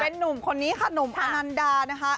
หนุ่มคนนี้ค่ะหนุ่มอนันดานะคะ